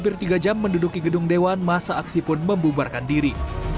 hampir tiga jam menduduki gedung dewan masa aksi pun membubarkan diri